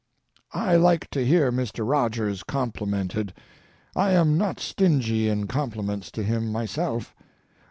I like to hear Mr. Rogers complimented. I am not stingy in compliments to him myself.